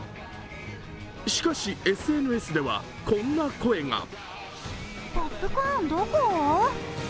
しかし、ＳＮＳではこんな声が。